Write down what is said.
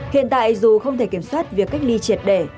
hiện tại dù không thể kiểm soát việc cách ly triệt để